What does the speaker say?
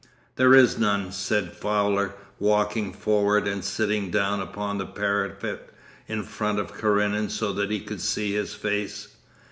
'There is none,' said Fowler, walking forward and sitting down upon the parapet in front of Karenin so that he could see his face.